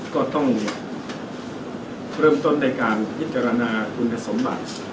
ก็ต้องเริ่มต้นในการพิจารณาคุณสมบัติ